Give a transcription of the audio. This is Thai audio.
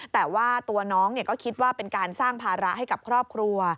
แต่ว่าตัวน้องก็คิดว่าเป็นการสร้างภาระให้กับครอบครัว